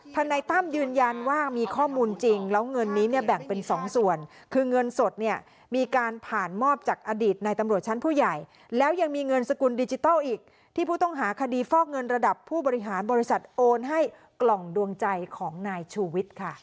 นายตั้มยืนยันว่ามีข้อมูลจริงแล้วเงินนี้เนี่ยแบ่งเป็นสองส่วนคือเงินสดเนี่ยมีการผ่านมอบจากอดีตในตำรวจชั้นผู้ใหญ่แล้วยังมีเงินสกุลดิจิทัลอีกที่ผู้ต้องหาคดีฟอกเงินระดับผู้บริหารบริษัทโอนให้กล่องดวงใจของนายชูวิทย์ค่ะ